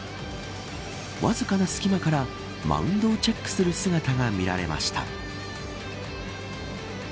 わずかな隙間からマウンドをチェックする姿が見られました。